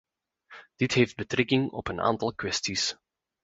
Dit heeft betrekking op een aantal kwesties.